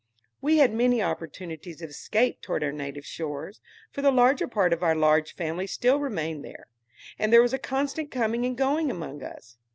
We had many opportunities of escape towards our native shores, for the larger part of our large family still remained there, and there was a constant coming and going among us.